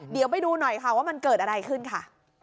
เดี๋ยวไปดูหน่อยค่ะว่ามันเกิดอะไรขึ้นค่ะ